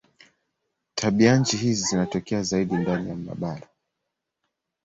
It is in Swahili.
Tabianchi hizi zinatokea zaidi ndani ya mabara.